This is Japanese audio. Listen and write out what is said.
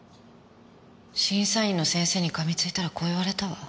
審査員の先生に噛みついたらこう言われたわ。